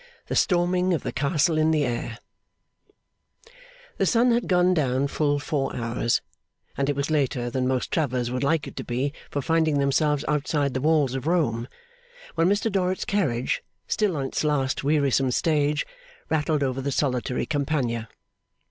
The Storming of the Castle in the Air The sun had gone down full four hours, and it was later than most travellers would like it to be for finding themselves outside the walls of Rome, when Mr Dorrit's carriage, still on its last wearisome stage, rattled over the solitary Campagna.